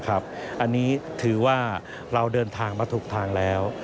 อันนี้ถือว่าเราเดินทางมาถูกทางแล้ว